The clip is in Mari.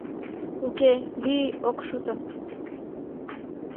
Уке, вий ок шуто.